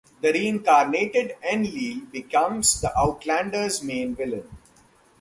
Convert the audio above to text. The reincarnated Enlil becomes the Outlanders main villain.